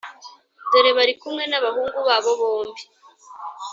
Dore bari kumwe n ‘abahungu babo bombi .